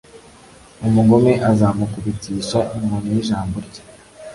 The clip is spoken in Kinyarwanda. Umugome azamukubitisha inkoni y’ijambo rye,